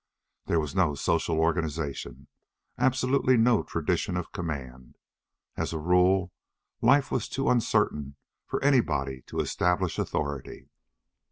There was no social organization, absolutely no tradition of command. As a rule life was too uncertain for anybody to establish authority.